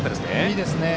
いいですね。